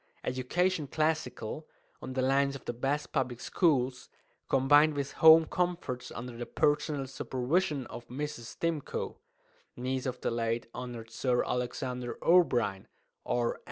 Education classical, on the lines of the best Public Schools, combined with Home Comforts under the personal supervision of Mrs. Stimcoe (niece of the late Hon. Sir Alexander O'Brien, R.